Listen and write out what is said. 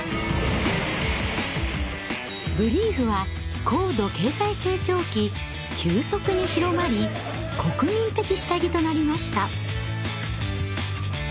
ブリーフは高度経済成長期急速に広まり国民的下着となりました。